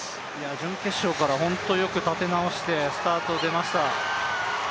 準決勝からよく立て直してスタート出ました。